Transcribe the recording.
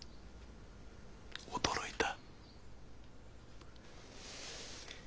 驚いた。